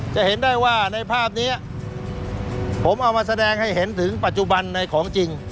จะเห็นได้ว่าในภาพนี้ผมเอามาแสดงให้เห็นถึงปัจจุบันในของจริง